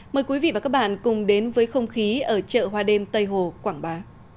mời quý vị và các bạn cùng đến với không khí ở chợ hoa đêm tây hồ quảng bá